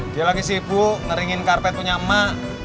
dia lagi sibuk ngeringin karpet punya emak